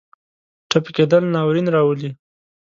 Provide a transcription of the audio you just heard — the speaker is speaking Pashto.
ټپي کېدل ناورین راولي.